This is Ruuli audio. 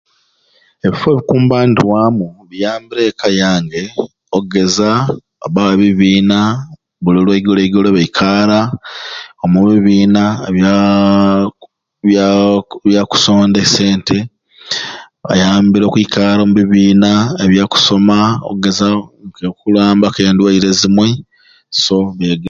Ebifo ebikumbanirwamu biyambire eka yange oggeza wabbaawo e bibiina buli lwaigoloigolo baikaara omu bibiina bya ku byaa bya kusonda e sente, bayambire okwikaara omu bibiina ebya kusoma okugeza okulambaku endwaire ezimwe so ebi.